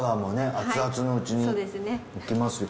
熱々のうちにいきます。